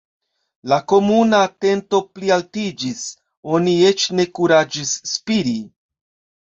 La komuna atento plialtiĝis; oni eĉ ne kuraĝis spiri.